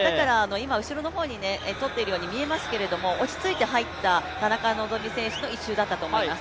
今、後ろの方にとっているように見えますけれども落ち着いて入った田中希実選手の１周だったと思います。